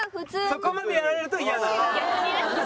そこまでやられると嫌なの？